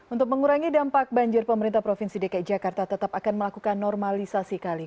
untuk mengurangi dampak banjir pemerintah provinsi dki jakarta tetap akan melakukan normalisasi kali